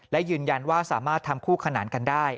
และยืนยันว่าสามารถทำคู่ขนานกันได้